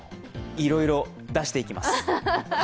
いろいろ出していきます。